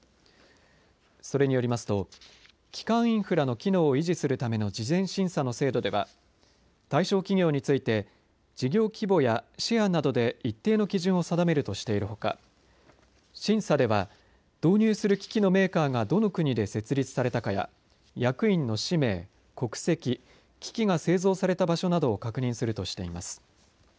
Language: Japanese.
それによりますと基幹インフラの機能を維持するための事前審査の制度では対象企業について事業規模やシェアなどで一定の基準を定めるとしているほか審査では導入する機器のメーカーがどの国で設立されたかや役員の氏名、国籍、機器が製造された場所などを確認するとしています。